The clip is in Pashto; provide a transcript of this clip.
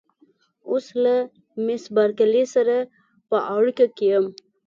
اوس له مېس بارکلي سره په اړیکه کې یم.